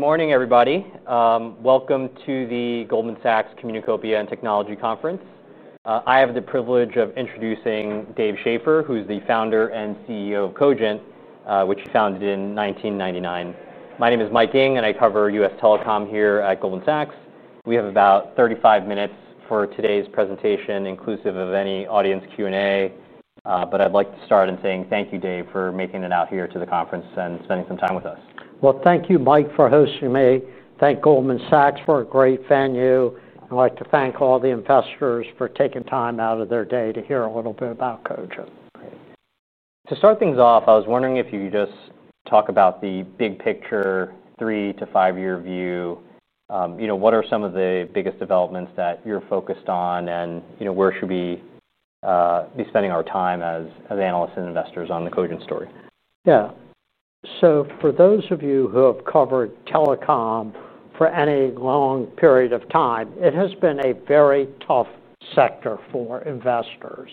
Good morning, everybody. Welcome to the Goldman Sachs Communicopia and Technology Conference. I have the privilege of introducing Dave Schaeffer, who is the Founder and CEO of Cogent Communications Holdings Inc., which he founded in 1999. My name is Mike Ng, and I cover U.S. telecom here at Goldman Sachs. We have about 35 minutes for today's presentation, inclusive of any audience Q&A. I'd like to start in saying thank you, Dave, for making it out here to the conference and spending some time with us. Thank you, Mike, for hosting me. Thank Goldman Sachs for a great venue. I'd like to thank all the investors for taking time out of their day to hear a little bit about Cogent. To start things off, I was wondering if you could just talk about the big picture, three to five-year view. What are some of the biggest developments that you're focused on? Where should we be spending our time as analysts and investors on the Cogent story? Yeah. For those of you who have covered telecom for any long period of time, it has been a very tough sector for investors.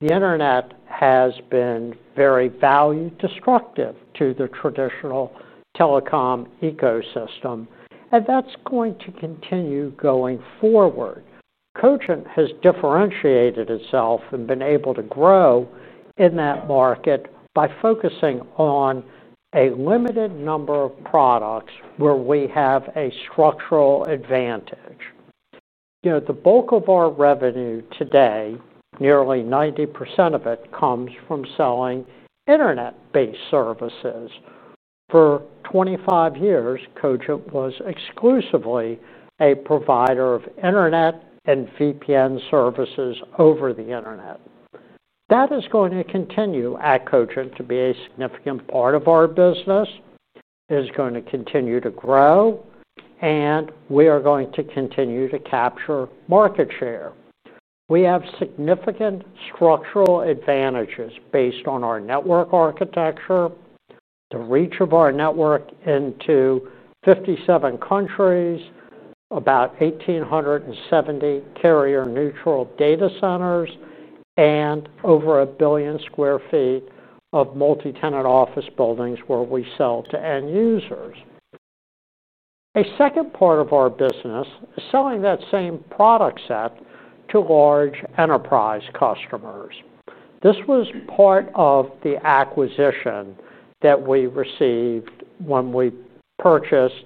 The Internet has been very value-destructive to the traditional telecom ecosystem. That's going to continue going forward. Cogent has differentiated itself and been able to grow in that market by focusing on a limited number of products where we have a structural advantage. The bulk of our revenue today, nearly 90% of it, comes from selling Internet-based services. For 25 years, Cogent was exclusively a provider of Internet and VPN services over the Internet. That is going to continue at Cogent to be a significant part of our business. It is going to continue to grow, and we are going to continue to capture market share. We have significant structural advantages based on our network architecture, the reach of our network into 57 countries, about 1,870 carrier-neutral data centers, and over a billion square feet of multi-tenant office buildings where we sell to end users. A second part of our business is selling that same product set to large enterprise customers. This was part of the acquisition that we received when we purchased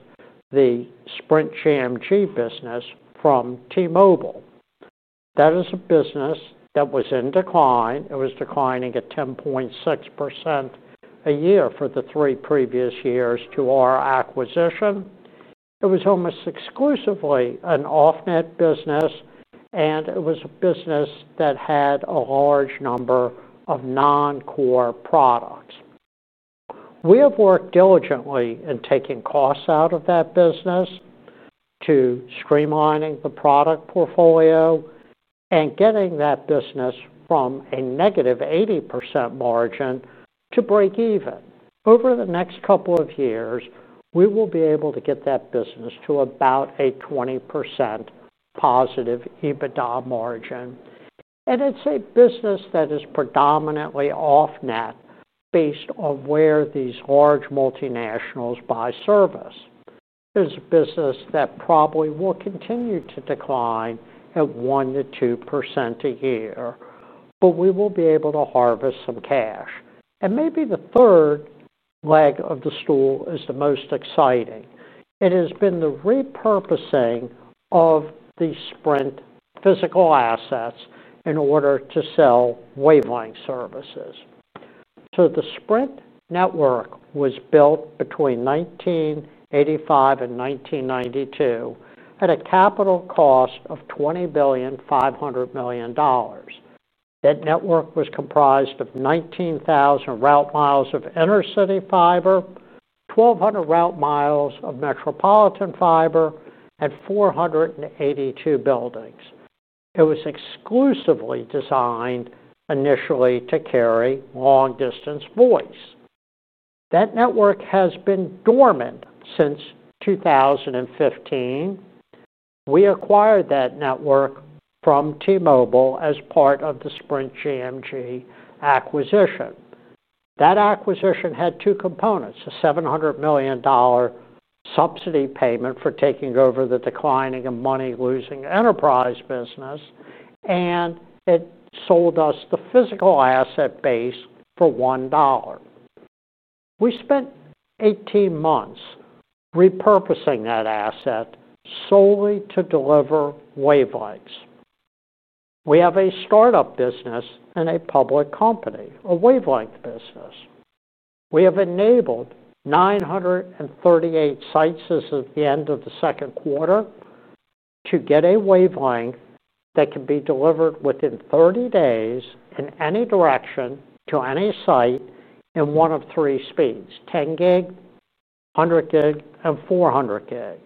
the Sprint GMG business from T-Mobile. That is a business that was in decline. It was declining at 10.6% a year for the three previous years to our acquisition. It was almost exclusively an off-net business, and it was a business that had a large number of non-core products. We have worked diligently in taking costs out of that business, streamlining the product portfolio, and getting that business from a negative 80% margin to break even. Over the next couple of years, we will be able to get that business to about a 20% positive EBITDA margin. It's a business that is predominantly off-net based on where these large multinationals buy service. It is a business that probably will continue to decline at 1% to 2% a year, but we will be able to harvest some cash. Maybe the third leg of the stool is the most exciting. It has been the repurposing of the Sprint physical assets in order to sell wavelength services. The Sprint network was built between 1985 and 1992 at a capital cost of $20.5 billion. That network was comprised of 19,000 route miles of inner-city fiber, 1,200 route miles of metropolitan fiber, and 482 buildings. It was exclusively designed initially to carry long-distance voice. That network has been dormant since 2015. We acquired that network from T-Mobile as part of the Sprint GMG acquisition. That acquisition had two components: a $700 million subsidy payment for taking over the declining and money-losing enterprise business, and it sold us the physical asset base for $1. We spent 18 months repurposing that asset solely to deliver wavelengths. We have a startup business and a public company, a wavelength business. We have enabled 938 sites as of the end of the second quarter to get a wavelength that can be delivered within 30 days in any direction to any site in one of three speeds: 10 gig, 100 gig, and 400 gig.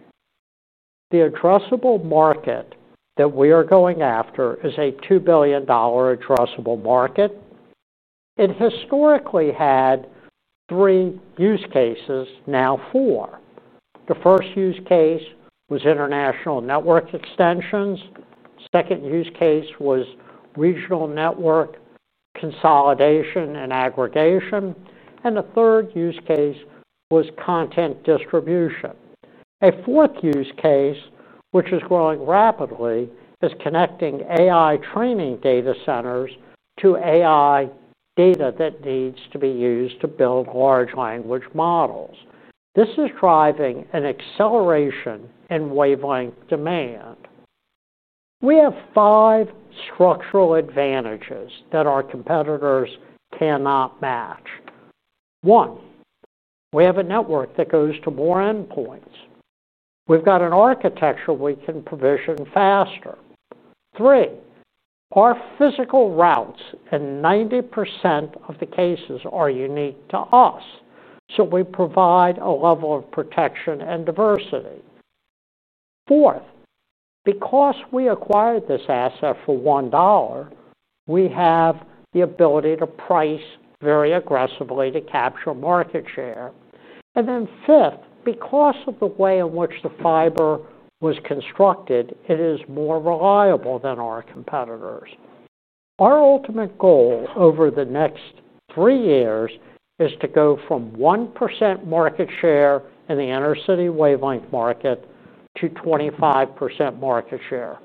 The addressable market that we are going after is a $2 billion addressable market. It historically had three use cases, now four. The first use case was international network extensions. The second use case was regional network consolidation and aggregation. The third use case was content distribution. A fourth use case, which is growing rapidly, is connecting AI training data centers to AI data that needs to be used to build large language models. This is driving an acceleration in wavelength demand. We have five structural advantages that our competitors cannot match. One, we have a network that goes to more endpoints. We've got an architecture we can provision faster. Three, our physical routes in 90% of the cases are unique to us. We provide a level of protection and diversity. Fourth, because we acquired this asset for $1, we have the ability to price very aggressively to capture market share. Fifth, because of the way in which the fiber was constructed, it is more reliable than our competitors. Our ultimate goal over the next three years is to go from 1% market share in the inner-city wavelength market to 25% market share,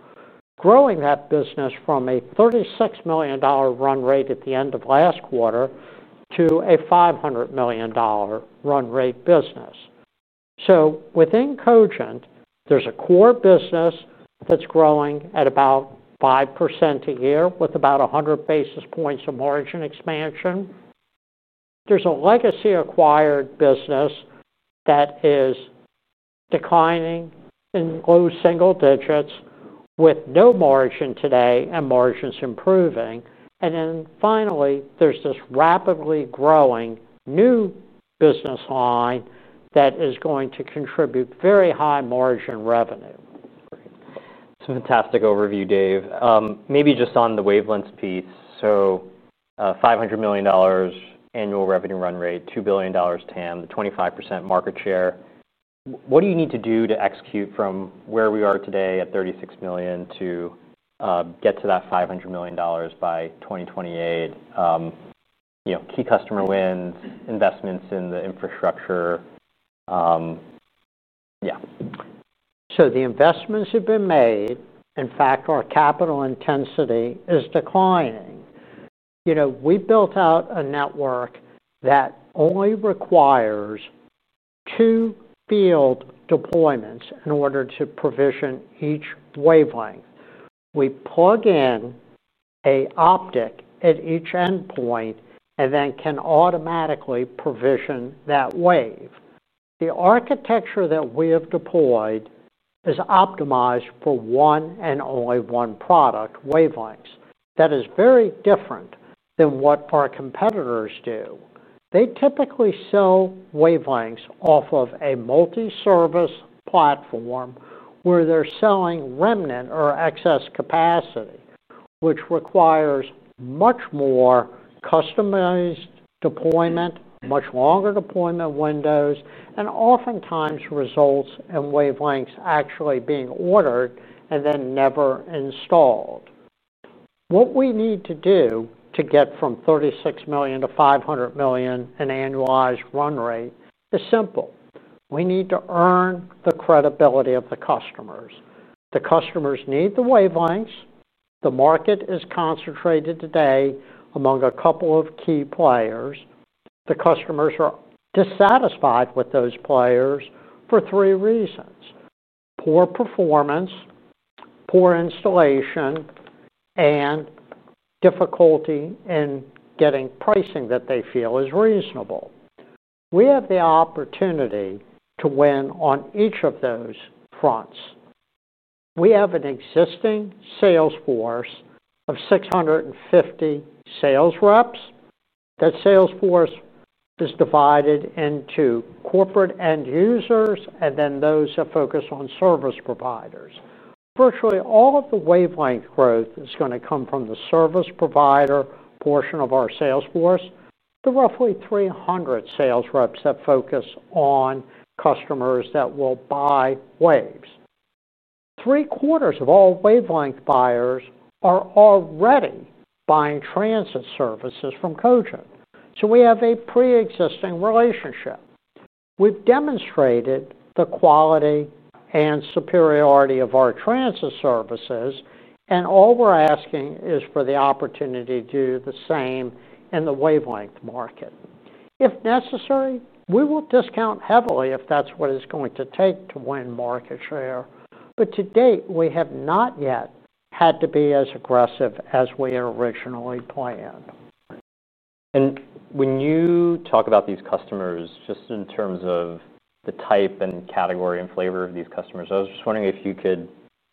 growing that business from a $36 million run rate at the end of last quarter to a $500 million run rate business. Within Cogent, there's a core business that's growing at about 5% a year with about 100 basis points of margin expansion. There's a legacy acquired business that is declining in low single digits with no margin today and margins improving. Finally, there's this rapidly growing new business line that is going to contribute very high margin revenue. That's a fantastic overview, Dave. Maybe just on the wavelength piece. $500 million annual revenue run rate, $2 billion TAM, the 25% market share. What do you need to do to execute from where we are today at $36 million to get to that $500 million by 2028? Key customer wins, investments in the infrastructure. Yeah. The investments have been made. In fact, our capital intensity is declining. We built out a network that only requires two field deployments in order to provision each wavelength. We plug in an optic at each endpoint and then can automatically provision that wave. The architecture that we have deployed is optimized for one and only one product, wavelengths. That is very different than what our competitors do. They typically sell wavelengths off of a multi-service platform where they're selling remnant or excess capacity, which requires much more customized deployment, much longer deployment windows, and oftentimes results in wavelengths actually being ordered and then never installed. What we need to do to get from $36 million to $500 million in annualized run rate is simple. We need to earn the credibility of the customers. The customers need the wavelengths. The market is concentrated today among a couple of key players. The customers are dissatisfied with those players for three reasons: poor performance, poor installation, and difficulty in getting pricing that they feel is reasonable. We have the opportunity to win on each of those fronts. We have an existing sales force of 650 sales reps. That sales force is divided into corporate end users and then those that focus on service providers. Virtually all of the wavelength growth is going to come from the service provider portion of our sales force to roughly 300 sales reps that focus on customers that will buy waves. Three quarters of all wavelength buyers are already buying transit services from Cogent. We have a pre-existing relationship. We've demonstrated the quality and superiority of our transit services. All we're asking is for the opportunity to do the same in the wavelength market. If necessary, we will discount heavily if that's what it's going to take to win market share. To date, we have not yet had to be as aggressive as we had originally planned. When you talk about these customers, just in terms of the type and category and flavor of these customers, I was just wondering if you could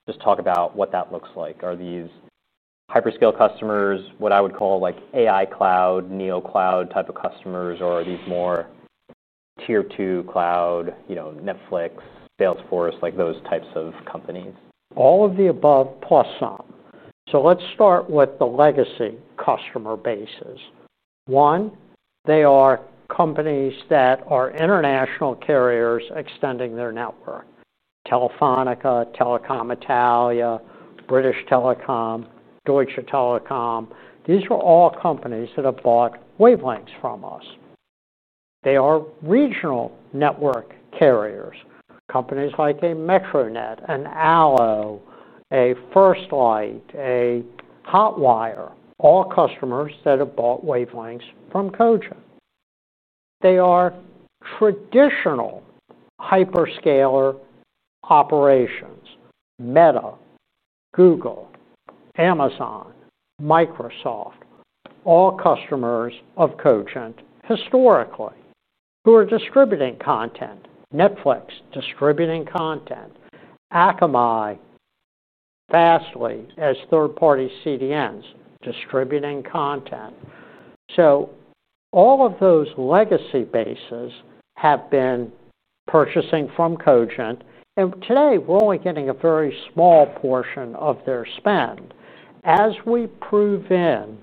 just talk about what that looks like. Are these hyperscale customers, what I would call like AI cloud, Neo cloud type of customers? Are these more tier two cloud, Netflix, Salesforce, like those types of companies? All of the above plus some. Let's start with the legacy customer bases. One, they are companies that are international carriers extending their network: Telefonica, Telecom Italia, British Telecom, Deutsche Telekom. These are all companies that have bought wavelengths from us. They are regional network carriers, companies like a MetroNet, an Alo, a FirstLight, a Hotwire, all customers that have bought wavelengths from Cogent. They are traditional hyperscaler operations: Meta, Google, Amazon, Microsoft, all customers of Cogent historically, who are distributing content: Netflix, distributing content; Akamai, Fastly, as third-party CDNs, distributing content. All of those legacy bases have been purchasing from Cogent. Today, we're only getting a very small portion of their spend. As we prove in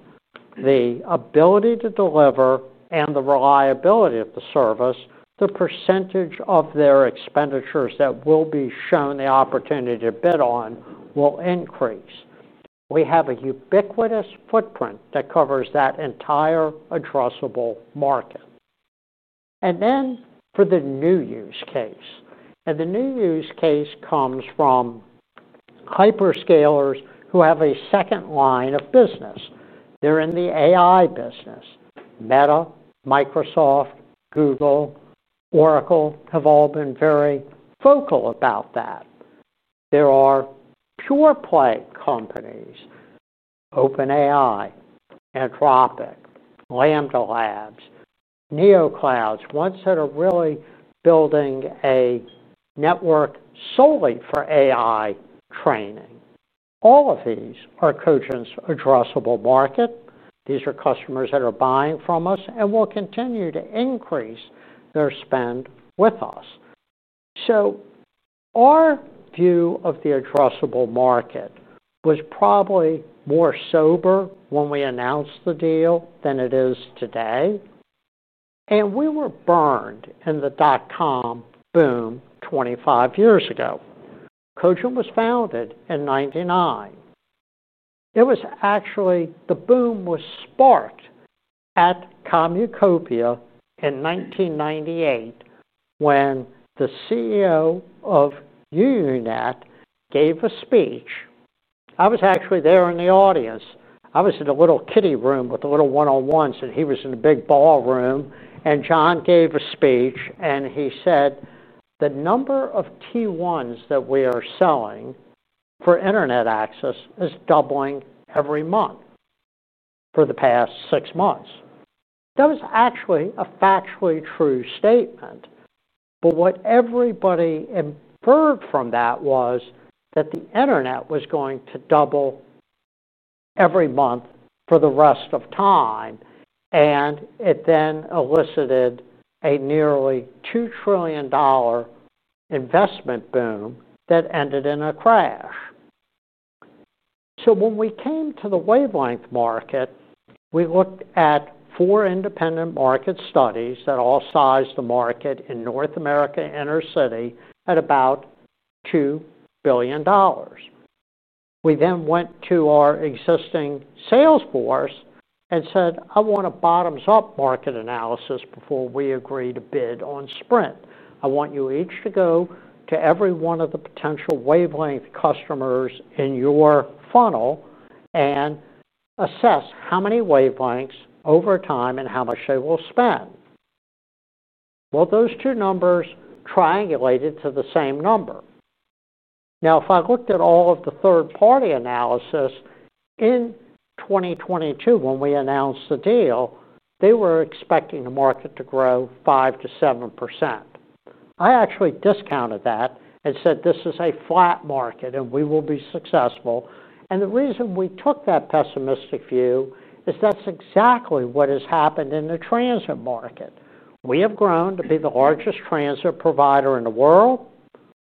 the ability to deliver and the reliability of the service, the percentage of their expenditures that will be shown the opportunity to bid on will increase. We have a ubiquitous footprint that covers that entire addressable market. For the new use case, the new use case comes from hyperscalers who have a second line of business. They're in the AI business. Meta, Microsoft, Google, Oracle have all been very vocal about that. There are pure play companies: OpenAI, Anthropic, Lambda Labs, NeoCloud, ones that are really building a network solely for AI training. All of these are Cogent's addressable market. These are customers that are buying from us and will continue to increase their spend with us. Our view of the addressable market was probably more sober when we announced the deal than it is today. We were burned in the dot-com boom 25 years ago. Cogent was founded in 1999. The boom was sparked at Communicopia in 1998 when the CEO of UUNET gave a speech. I was actually there in the audience. I was in a little kiddie room with a little one-on-one, and he was in a big ballroom. John gave a speech, and he said, "The number of T1s that we are selling for Internet access is doubling every month for the past six months." That was actually a factually true statement. What everybody inferred from that was that the Internet was going to double every month for the rest of time. It then elicited a nearly $2 trillion investment boom that ended in a crash. When we came to the wavelength market, we looked at four independent market studies that all sized the market in North America inner city at about $2 billion. We then went to our existing sales force and said, "I want a bottoms-up market analysis before we agree to bid on Sprint. I want you each to go to every one of the potential wavelength customers in your funnel and assess how many wavelengths over time and how much they will spend." Those two numbers triangulated to the same number. If I looked at all of the third-party analysis in 2022 when we announced the deal, they were expecting the market to grow 5% to 7%. I actually discounted that and said, "This is a flat market and we will be successful." The reason we took that pessimistic view is that's exactly what has happened in the transit market. We have grown to be the largest transit provider in the world.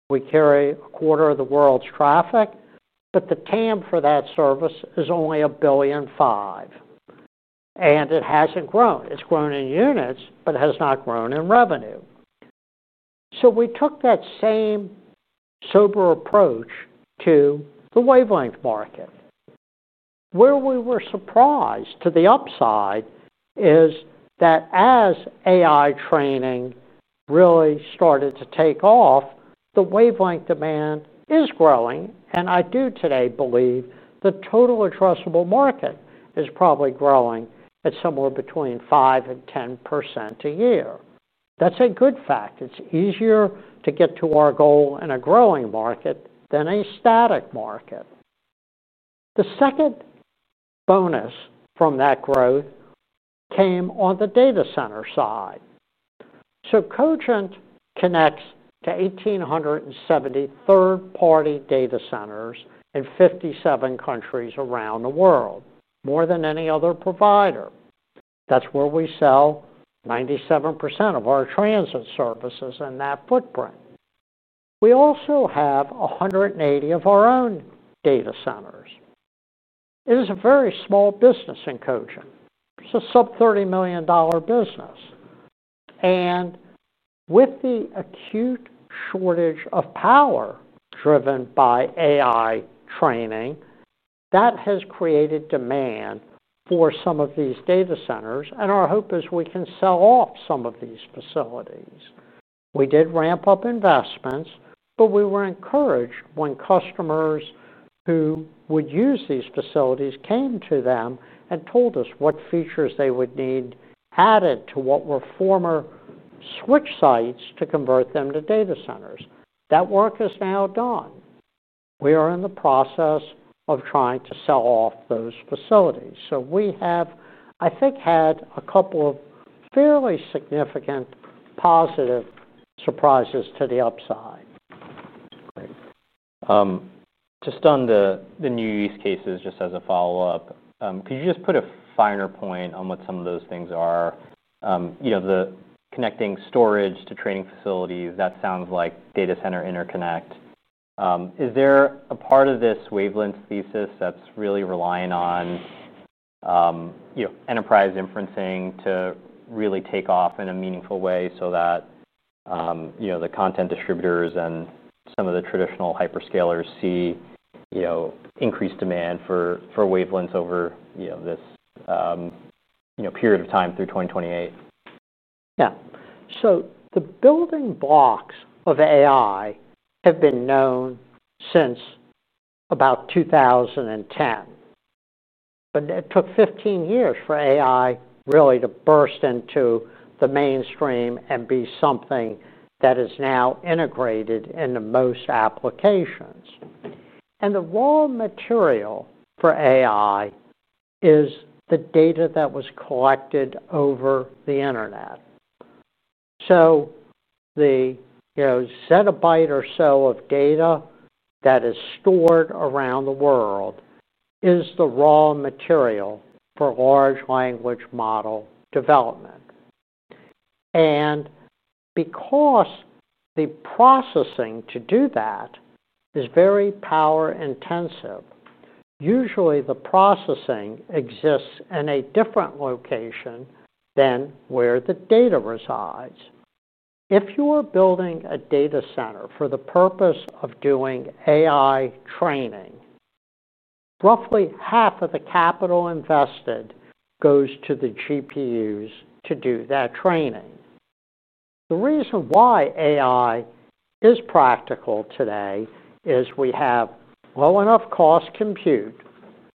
We carry a quarter of the world's traffic. The TAM for that service is only $1.5 billion, and it hasn't grown. It's grown in units, but it has not grown in revenue. We took that same sober approach to the wavelength market. Where we were surprised to the upside is that as AI training really started to take off, the wavelength demand is growing. I do today believe the total addressable market is probably growing at somewhere between 5% and 10% a year. That's a good fact. It's easier to get to our goal in a growing market than a static market. The second bonus from that growth came on the data center side. Cogent connects to 1,870 third-party data centers in 57 countries around the world, more than any other provider. That's where we sell 97% of our transit services in that footprint. We also have 180 of our own data centers. It is a very small business in Cogent. It's a sub-$30 million business. With the acute shortage of power driven by AI training, that has created demand for some of these data centers. Our hope is we can sell off some of these facilities. We did ramp up investments, but we were encouraged when customers who would use these facilities came to them and told us what features they would need added to what were former switch sites to convert them to data centers. That work is now done. We are in the process of trying to sell off those facilities. We have, I think, had a couple of fairly significant positive surprises to the upside. Just on the new use cases, just as a follow-up, could you put a finer point on what some of those things are? You know, the connecting storage to training facilities, that sounds like data center interconnect. Is there a part of this wavelength thesis that's really relying on enterprise inferencing to really take off in a meaningful way so that the content distributors and some of the traditional hyperscalers see increased demand for wavelengths over this period of time through 2028? Yeah. The building blocks of AI have been known since about 2010. It took 15 years for AI really to burst into the mainstream and be something that is now integrated into most applications. The raw material for AI is the data that was collected over the internet. The zettabyte or so of data that is stored around the world is the raw material for large language model development. Because the processing to do that is very power-intensive, usually the processing exists in a different location than where the data resides. If you are building a data center for the purpose of doing AI training, roughly half of the capital invested goes to the GPUs to do that training. The reason why AI is practical today is we have low enough cost compute.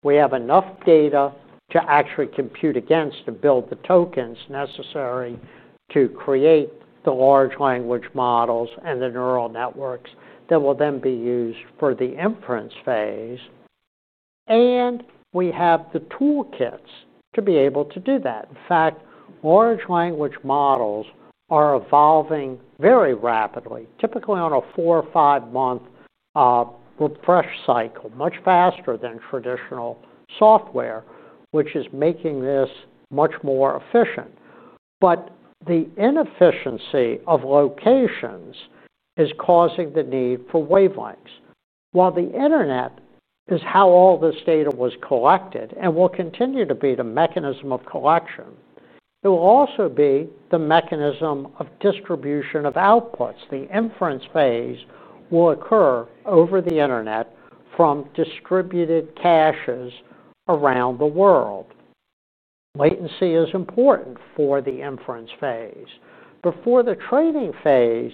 We have enough data to actually compute against and build the tokens necessary to create the large language models and the neural networks that will then be used for the inference phase. We have the toolkits to be able to do that. In fact, large language models are evolving very rapidly, typically on a four or five-month refresh cycle, much faster than traditional software, which is making this much more efficient. The inefficiency of locations is causing the need for wavelengths. While the internet is how all this data was collected and will continue to be the mechanism of collection, it will also be the mechanism of distribution of outputs. The inference phase will occur over the internet from distributed caches around the world. Latency is important for the inference phase. For the training phase,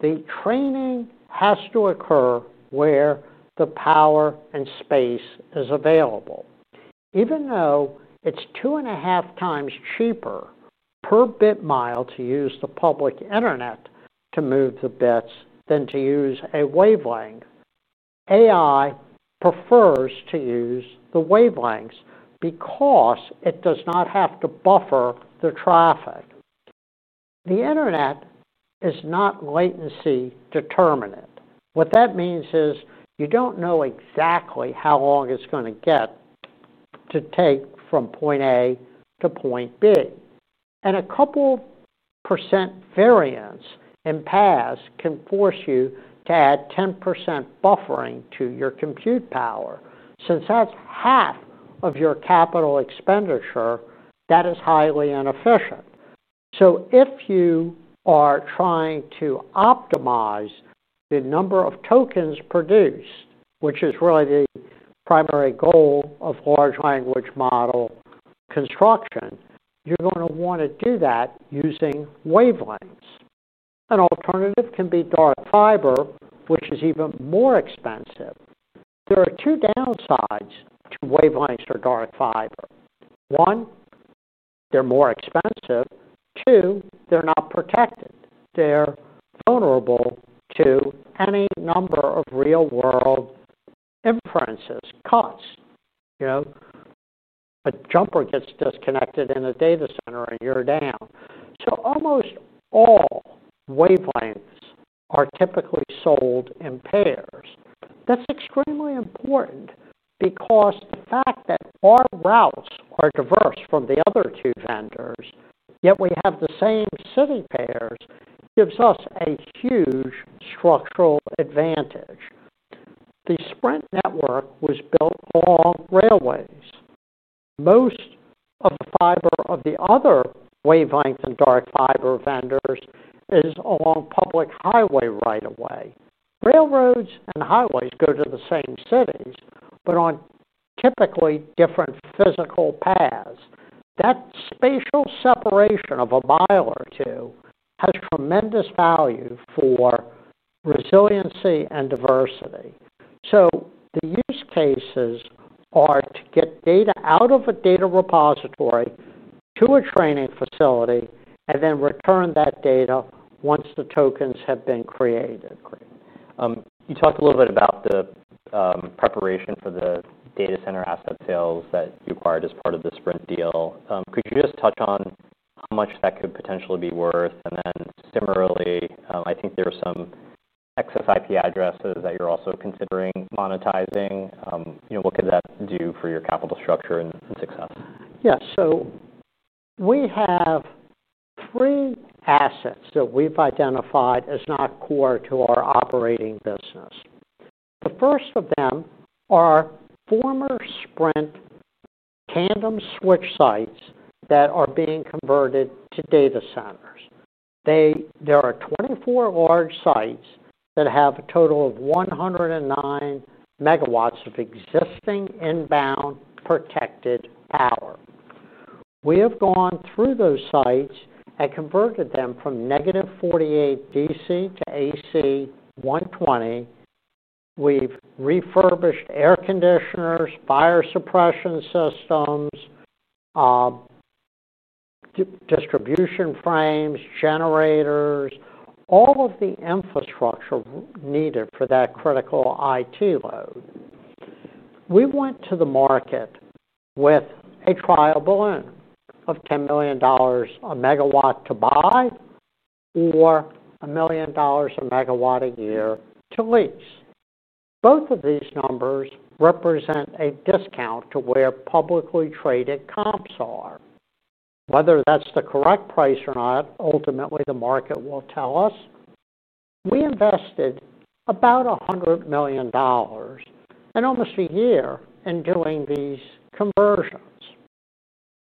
the training has to occur where the power and space is available. Even though it's two and a half times cheaper per bit mile to use the public internet to move the bits than to use a wavelength, AI prefers to use the wavelengths because it does not have to buffer the traffic. The internet is not latency determinant. What that means is you don't know exactly how long it's going to get to take from point A to point B. A couple % variance in paths can force you to add 10% buffering to your compute power. Since that's half of your capital expenditure, that is highly inefficient. If you are trying to optimize the number of tokens produced, which is really the primary goal of large language model construction, you're going to want to do that using wavelengths. An alternative can be dark fiber, which is even more expensive. There are two downsides to wavelengths or dark fiber. One, they're more expensive. Two, they're not protected. They're vulnerable to any number of real-world inferences, cuts. You know, a jumper gets disconnected in a data center and you're down. Almost all wavelengths are typically sold in pairs. That's extremely important because the fact that our routes are diverse from the other two vendors, yet we have the same sitting pairs, gives us a huge structural advantage. The Sprint network was built along railways. Most of the fiber of the other wavelength and dark fiber vendors is along public highway right of way. Railroads and highways go to the same cities, but on typically different physical paths. That spatial separation of a mile or two has tremendous value for resiliency and diversity. The use cases are to get data out of a data repository to a training facility and then return that data once the tokens have been created. You talked a little bit about the preparation for the data center asset sales that you acquired as part of the Sprint GMG deal. Could you just touch on how much that could potentially be worth? Similarly, I think there are some IPv4 address inventory assets that you're also considering monetizing. What could that do for your capital structure and success? Yeah. We have three assets that we've identified as not core to our operating business. The first of them are former Sprint tandem switch sites that are being converted to data centers. There are 24 large sites that have a total of 109 megawatts of existing inbound protected power. We have gone through those sites and converted them from negative 48 DC to AC 120. We've refurbished air conditioners, fire suppression systems, distribution frames, generators, all of the infrastructure needed for that critical IT load. We went to the market with a trial balloon of $10 million a megawatt to buy or $1 million a megawatt a year to lease. Both of these numbers represent a discount to where publicly traded comps are. Whether that's the correct price or not, ultimately, the market will tell us. We invested about $100 million and almost a year in doing these conversions.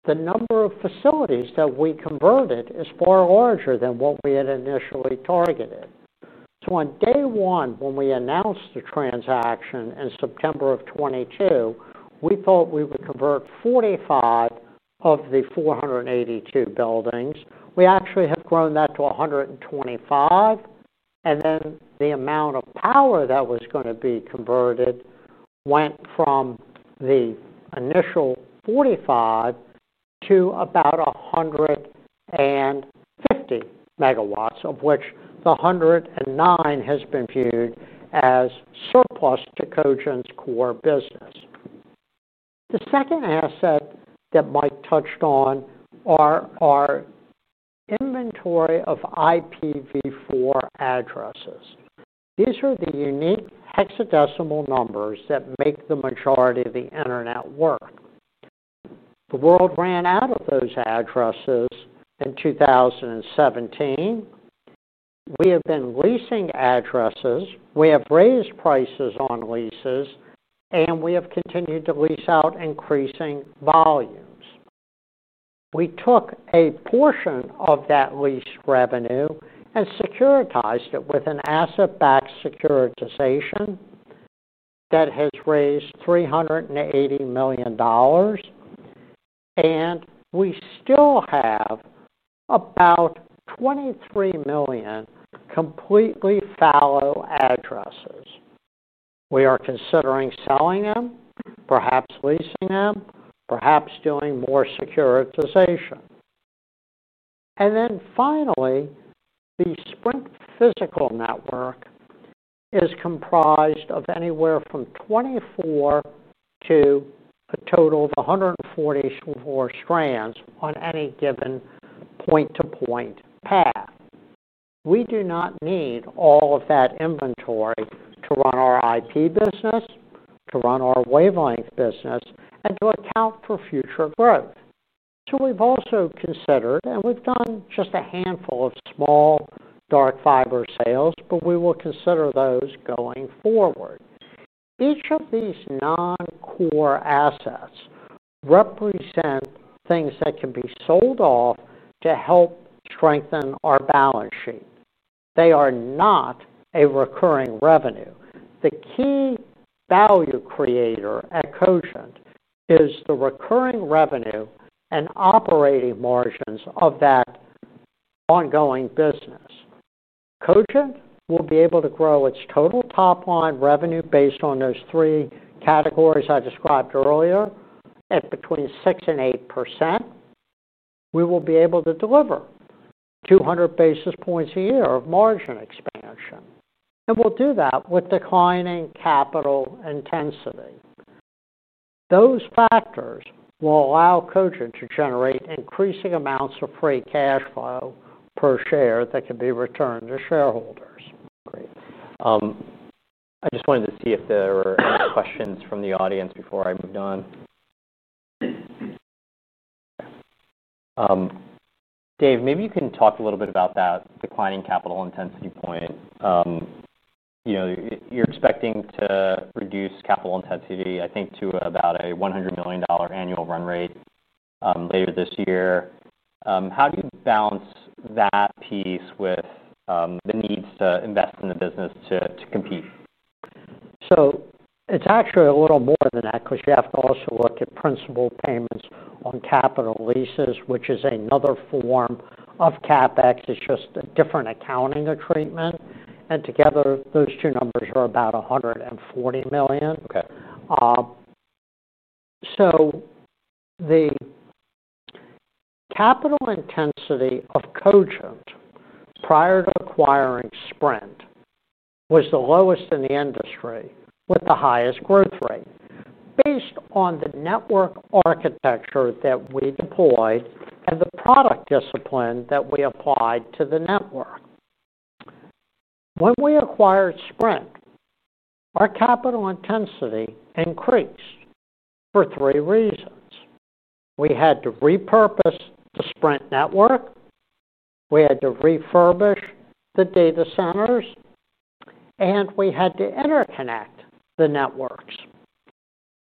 The number of facilities that we converted is far larger than what we had initially targeted. On day one, when we announced the transaction in September of 2022, we thought we would convert 45 of the 482 buildings. We actually have grown that to 125. The amount of power that was going to be converted went from the initial 45 to about 150 megawatts, of which the 109 has been viewed as surplus to Cogent's core business. The second asset that Mike touched on is our inventory of IPv4 addresses. These are the unique hexadecimal numbers that make the majority of the Internet work. The world ran out of those addresses in 2017. We have been leasing addresses. We have raised prices on leases. We have continued to lease out increasing volumes. We took a portion of that lease revenue and securitized it with an asset-backed securitization that has raised $380 million. We still have about 23 million completely fallow addresses. We are considering selling them, perhaps leasing them, perhaps doing more securitization. Finally, the Sprint physical network is comprised of anywhere from 24 to a total of 144 strands on any given point-to-point path. We do not need all of that inventory to run our IP business, to run our wavelength business, and to account for future growth. We have also considered, and we've done just a handful of small dark fiber sales, but we will consider those going forward. Each of these non-core assets represents things that can be sold off to help strengthen our balance sheet. They are not a recurring revenue. The key value creator at Cogent is the recurring revenue and operating margins of that ongoing business. Cogent will be able to grow its total top-line revenue based on those three categories I described earlier at between 6% and 8%. We will be able to deliver 200 basis points a year of margin expansion. We will do that with declining capital intensity. Those factors will allow Cogent to generate increasing amounts of free cash flow per share that can be returned to shareholders. Great. I just wanted to see if there were questions from the audience before I moved on. Dave, maybe you can talk a little bit about that declining capital intensity point. You know, you're expecting to reduce capital intensity, I think, to about a $100 million annual run rate later this year. How do you balance that piece with the needs to invest in the business to compete? It's actually a little more than that because you have to also look at principal payments on capital leases, which is another form of CapEx. It's just a different accounting treatment. Together, those two numbers are about $140 million. The capital intensity of Cogent prior to acquiring Sprint was the lowest in the industry with the highest growth rate based on the network architecture that we deployed and the product discipline that we applied to the network. When we acquired Sprint, our capital intensity increased for three reasons. We had to repurpose the Sprint network, refurbish the data centers, and interconnect the networks.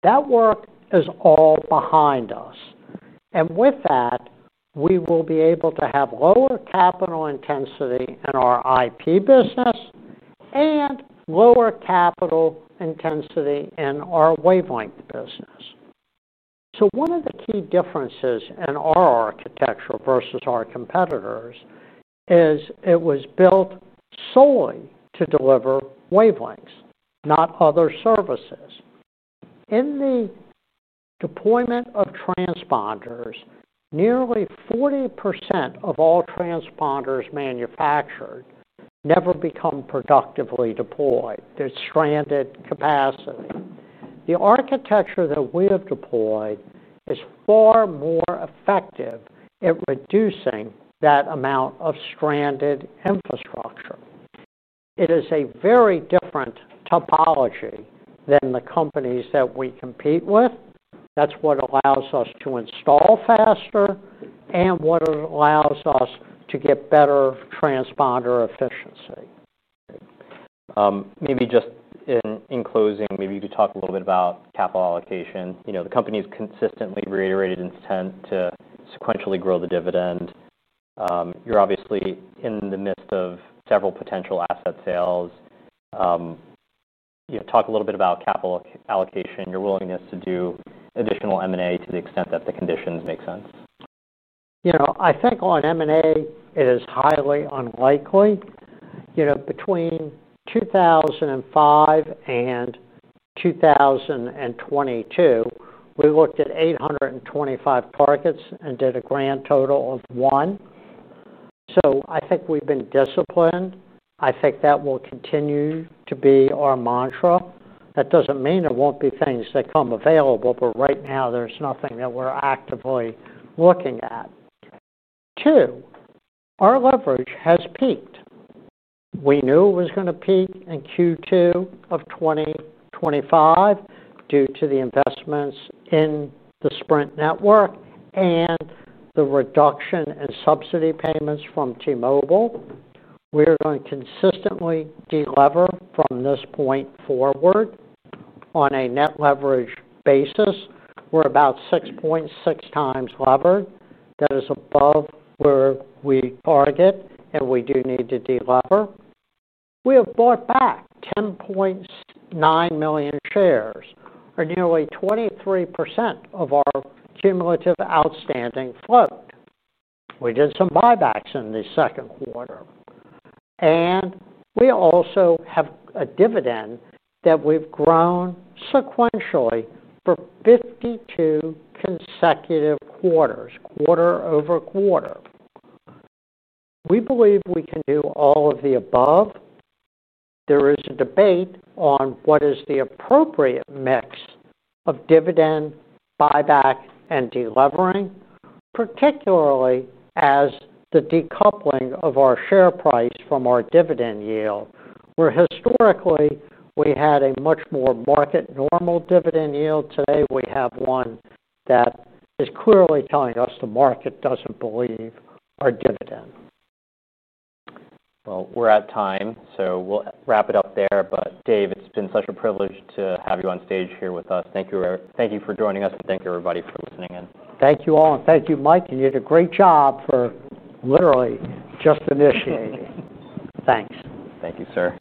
That work is all behind us. With that, we will be able to have lower capital intensity in our IP business and lower capital intensity in our wavelength business. One of the key differences in our architecture versus our competitors is it was built solely to deliver wavelengths, not other services. In the deployment of transponders, nearly 40% of all transponders manufactured never become productively deployed. They're stranded capacity. The architecture that we have deployed is far more effective at reducing that amount of stranded infrastructure. It is a very different topology than the companies that we compete with. That's what allows us to install faster and what allows us to get better transponder efficiency. Maybe just in closing, maybe you could talk a little bit about capital allocation. You know, the company's consistently reiterated intent to sequentially grow the dividend. You're obviously in the midst of several potential asset sales. Talk a little bit about capital allocation, your willingness to do additional M&A to the extent that the conditions make sense. I think on M&A, it is highly unlikely. Between 2005 and 2022, we looked at 825 targets and did a grand total of one. I think we've been disciplined. I think that will continue to be our mantra. That doesn't mean there won't be things that come available. Right now, there's nothing that we're actively looking at. Our leverage has peaked. We knew it was going to peak in Q2 of 2025 due to the investments in the Sprint network and the reduction in subsidy payments from T-Mobile. We are going to consistently deliver from this point forward on a net leverage basis. We're about 6.6 times levered. That is above where we target, and we do need to deliver. We have bought back 10.9 million shares, or nearly 23% of our cumulative outstanding float. We did some buybacks in the second quarter. We also have a dividend that we've grown sequentially for 52 consecutive quarters, quarter over quarter. We believe we can do all of the above. There is a debate on what is the appropriate mix of dividend, buyback, and delivering, particularly as the decoupling of our share price from our dividend yield, where historically we had a much more market normal dividend yield. Today, we have one that is clearly telling us the market doesn't believe our dividend. We're at time, so we'll wrap it up there. Dave, it's been such a privilege to have you on stage here with us. Thank you for joining us, and thank you, everybody, for listening in. Thank you all. Thank you, Mike. You did a great job for literally just initiating. Thanks. Thank you, sir.